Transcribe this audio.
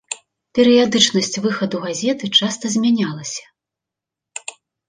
Перыядычнасць выхаду газеты часта змянялася.